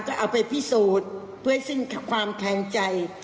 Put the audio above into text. ก็เอาไปพิสูจน์เพื่อซึ่งความแข็งใจ